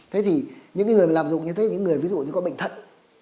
thế thì những người làm dụng như thế những người ví dụ như có bệnh thận